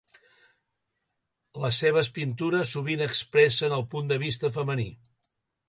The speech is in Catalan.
Les seves pintures sovint expressen el punt de vista femení.